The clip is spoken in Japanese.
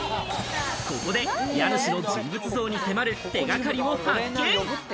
ここで家主の人物像に迫る手掛かりを発見。